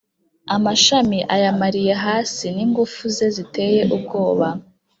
amashami ayamariye hasi n’ingufu ze ziteye ubwoba,